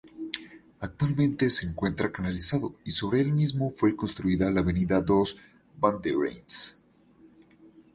Actualmente se encuentra canalizado y sobre el mismo fue construida la Avenida dos Bandeirantes.